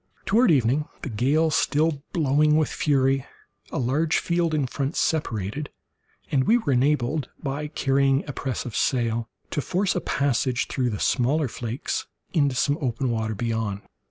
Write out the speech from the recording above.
Toward evening, the gale still blowing with fury, a large field in front separated, and we were enabled, by carrying a press of sail to force a passage through the smaller flakes into some open water beyond.